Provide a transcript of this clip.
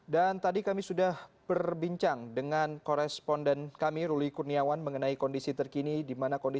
dan tadi kami sudah berbincang dengan koresponden kami ruli kurniawan mengenai kondisi terkini